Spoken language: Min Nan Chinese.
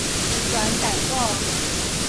十全大補